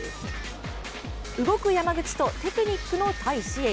動く山口とテクニックの戴資穎。